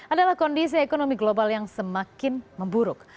adalah kondisi ekonomi global yang semakin memburuk